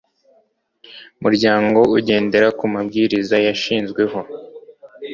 Muryango ugendera ku mabwiriza yashizweho